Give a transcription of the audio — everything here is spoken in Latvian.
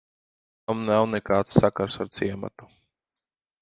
Tam nav nekāds sakars ar ciematu.